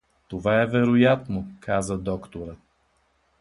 — Това е вероятно — каза доктора.